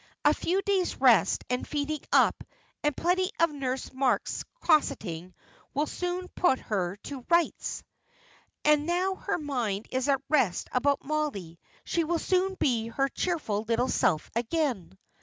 A few days' rest and feeding up, and plenty of Nurse Marks' cosseting will soon put her to rights. And now her mind is at rest about Mollie, she will soon be her cheerful little self again."